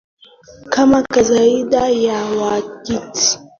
Kama kawaida ya nyakati mzunguko wa majira uliendelea kuwakanganya watu hawa kwa Maana ya